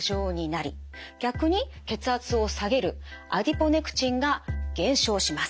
逆に血圧を下げるアディポネクチンが減少します。